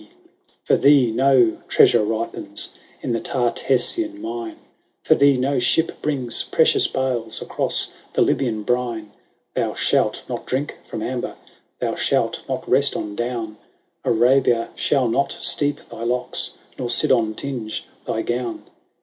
.e XIII. " For thee no treasure ripens In the Tartessian mine : For thee no ship brings precious bales Across the Libyan brine : Thou shalt not drink from amber ; Thou shalt not rest on down ; Arabia shall not steep thy locks, Nor Sidon tinge thy gown.